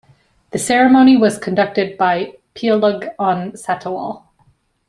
The ceremony was conducted by Piailug on Satawal.